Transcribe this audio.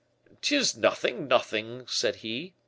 "''Tis nothing, nothing,' said he.